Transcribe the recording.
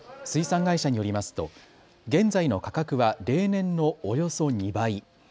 水産会社によりますと現在の価格は例年のおよそ２倍。